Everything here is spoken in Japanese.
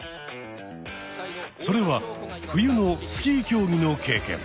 それは冬のスキー競技の経験。